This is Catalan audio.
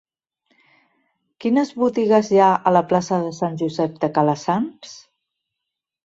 Quines botigues hi ha a la plaça de Sant Josep de Calassanç?